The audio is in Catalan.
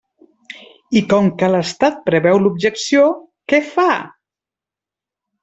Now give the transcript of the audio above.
I com que l'estat preveu l'objecció, ¿què fa?